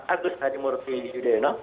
agus hanymur fiyudeno